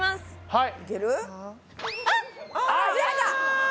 はい。